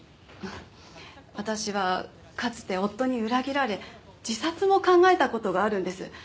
私はかつて夫に裏切られ自殺も考えた事があるんです。